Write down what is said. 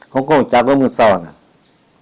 หกหกหกจักรเมึงเศร้าเนี่ย